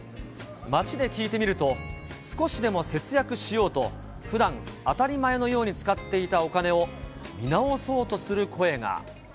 街で聞いてみると、少しでも節約しようと、ふだん、当たり前のように使っていたお金を見直そうとする声が。